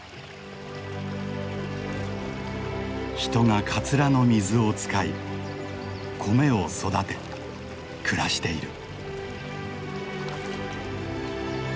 人がカツラの水を使い米を育て暮らしている。